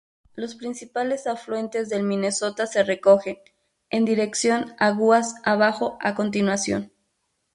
Los principales afluentes del Minnesota se recogen, en dirección a guas abajo, a continuación.